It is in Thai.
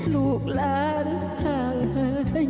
ลูกล้านห่าหลาย